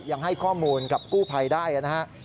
ยังให้ข้อมูลกับกู้ภัยได้นะครับ